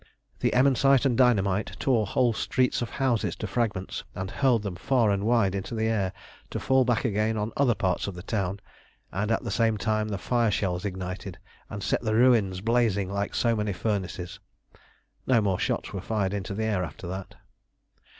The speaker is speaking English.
The emmensite and dynamite tore whole streets of houses to fragments, and hurled them far and wide into the air, to fall back again on other parts of the town, and at the same time the fire shells ignited, and set the ruins blazing like so many furnaces. No more shots were fired into the air after that.